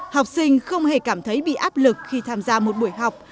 học sinh không hề cảm thấy bị áp lực khi tham gia một buổi học